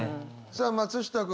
さあ松下君。